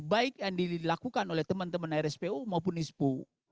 baik yang dilakukan oleh teman teman rspu maupun ispu